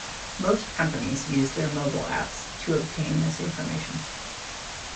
Most companies use their mobile apps to obtain this information.